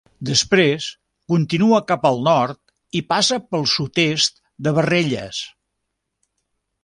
Després continua cap al nord i passa pel sud-est de Barrelles.